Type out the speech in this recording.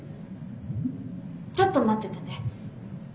「ちょっと待っててね」。